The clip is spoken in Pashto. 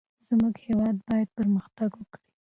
زمونږ هیواد باید پرمختګ وکړي.